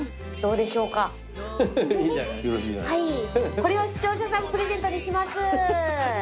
これを視聴者さんプレゼントにします。